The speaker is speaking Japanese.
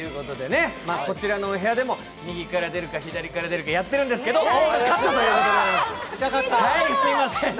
こちらのお部屋でも右から出るか左から出るかやってるんですけど、カットということでございます。